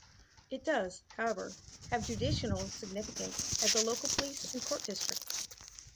It does, however, have judicional significance, as a local police and court district.